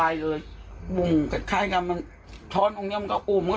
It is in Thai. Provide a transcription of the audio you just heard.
อันนี้แค่โชวง๒ครั้ง